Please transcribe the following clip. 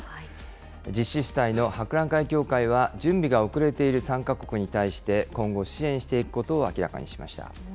実施主体の博覧会協会は準備が遅れている参加国に対して、今後、支援していくことを明らかにしました。